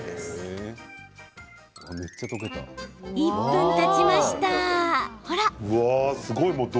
１分たちました。